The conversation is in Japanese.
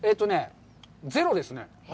ゼロですね。